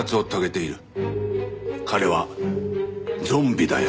彼はゾンビだよ。